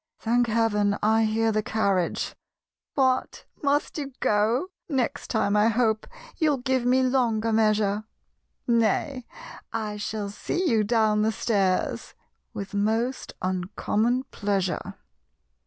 (Thank heaven, I hear the carriage!) "What! must you go? Next time I hope You'll give me longer measure; Nay I shall see you down the stairs (With most uncommon pleasure!)